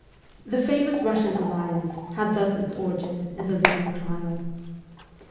The famous Eussian alliance had thus its origin in the Lyons trial.